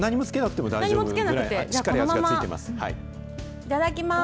いただきます。